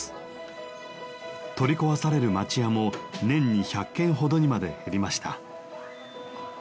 取り壊される町家も年に１００軒ほどにまで減りました。